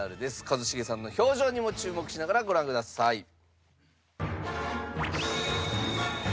一茂さんの表情にも注目しながらご覧ください。